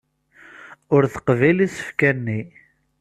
Ur teqbil isefka-nni.